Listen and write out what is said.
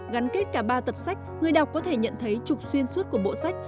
gắn kết cả ba tập sách người đọc có thể nhận thấy trục xuyên suốt của bộ sách